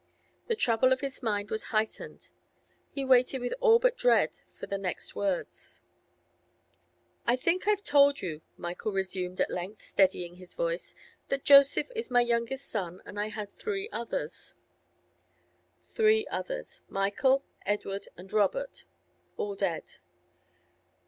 The trouble of his mind was heightened; he waited with all but dread for the next words. 'I think I've told you,' Michael resumed at length, steadying his voice, 'that Joseph is my youngest son, and that I had three others. Three others: Michael, Edward, and Robert—all dead.